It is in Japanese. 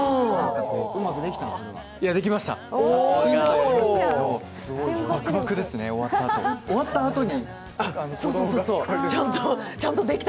うまくできました、バクバクですね、終わった後に。